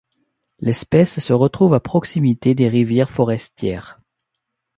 L'espèce se retrouve à proximité des rivières forestières.